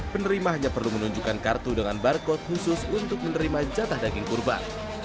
penerima hanya perlu menunjukkan kartu dengan barcode khusus untuk menerima jatah daging kurban